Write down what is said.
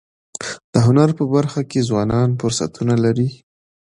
د هنر په برخه کي ځوانان فرصتونه لري.